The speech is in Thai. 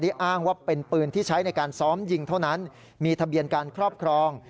อ้างว่าเป็นปืนที่ใช้ในการซ้อมยิงเท่านั้นมีทะเบียนการครอบครอง